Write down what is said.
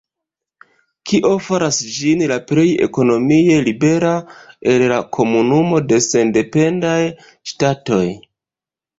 Kio faras ĝin la plej ekonomie libera el la Komunumo de Sendependaj Ŝtatoj.